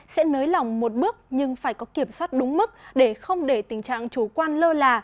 sẽ nới lỏng một bước nhưng phải có kiểm soát đúng mức để không để tình trạng chủ quan lơ là